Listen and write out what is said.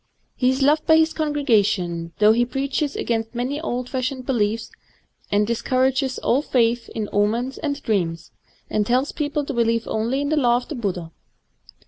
He is loved by his congregation, though he preaches against many old fashioned beliefs, and discour ages all ^th in omens and dreams, and tells peo ple to believe only in the Law of the Buddha.